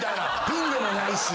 ピンでもないし。